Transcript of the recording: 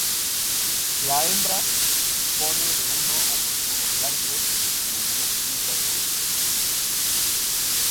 La hembra pone de uno a tres huevos blancos con algunas pintas rojizas.